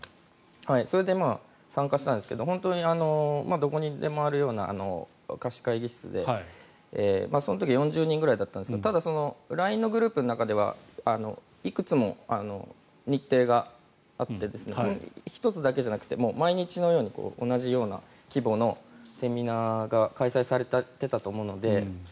それで参加したんですけど本当にどこでもあるような貸し会議室で、その時４０人くらいだったんですけどただＬＩＮＥのグループの中ではいくつも日程があって１つだけじゃなくてもう毎日のように同じような規模のセミナーが開催されていたと思うので。